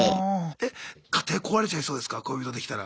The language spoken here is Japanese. え家庭壊れちゃいそうですか恋人できたら。